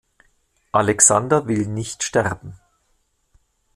Alexander will nicht sterben.